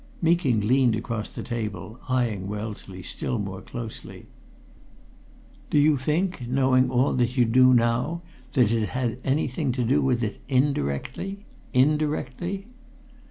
Meeking leaned across the table, eyeing Wellesley still more closely. "Do you think, knowing all that you do now, that it had anything to do with it indirectly? Indirectly!"